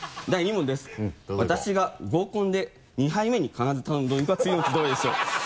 私が合コンで２杯目に必ず頼むドリンクは次のうちどれでしょう？